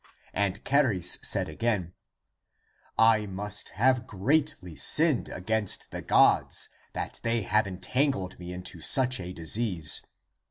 And Charis said again, " I must have greatly sinned against the gods, that they have entangled me into such a disease.